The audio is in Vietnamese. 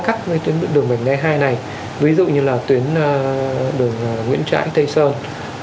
các tuyến đường bình đai hai này ví dụ như là tuyến đường nguyễn trãi tây sơn